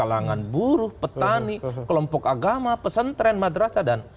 kalangan buruk petani kelompok agama pesantren madrasa dan